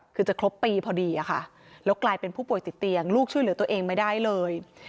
คือจะครบปีพอดีอะค่ะแล้วกลายเป็นผู้ป่วยติดเตียงลูกช่วยเหลือตัวเองไม่ได้เลย